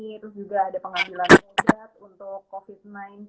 terus juga ada pengambilan obat untuk covid sembilan belas